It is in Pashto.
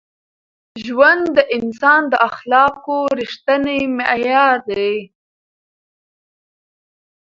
ژوند د انسان د اخلاقو رښتینی معیار دی.